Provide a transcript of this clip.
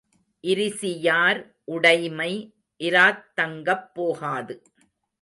இரிசியார் உடைமை இராத் தங்கப் போகாது.